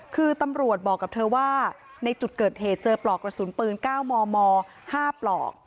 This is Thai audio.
คือตำรวจบอกกับเธอว่าในจุดเกิดเหตุเจอปลอกกระสุนปืน๙มม๕ปลอก